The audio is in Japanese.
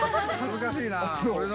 悔しいな。